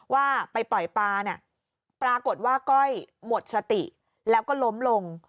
ว่าไปปล่อยปลาเนี่ยปรากฏว่าก้อยหมดสติแล้วก็ล้มลง